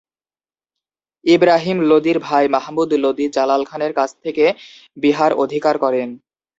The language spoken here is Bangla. ইবরাহিম লোদীর ভাই মাহমুদ লোদী জালাল খানের কাছ থেকে বিহার অধিকার করেন।